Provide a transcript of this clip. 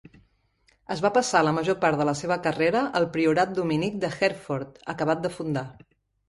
Es va passar la major part de la seva carrera al priorat dominic de Hereford, acabat de fundar.